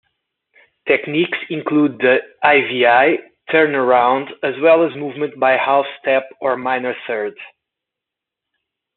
Techniques include the ii-V-I turnaround, as well as movement by half-step or minor third.